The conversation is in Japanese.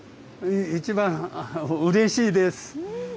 一番うれしいです。